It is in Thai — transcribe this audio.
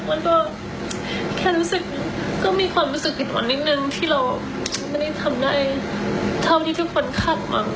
มันก็แค่รู้สึกก็มีความรู้สึกอิดอ่อนนิดนึงที่เราไม่ได้ทำได้เท่าที่ทุกคนคาดหวัง